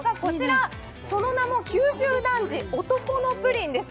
その名も、九州男児漢のプリンです